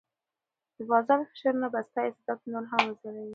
د بازار فشارونه به ستا استعداد نور هم وځلوي.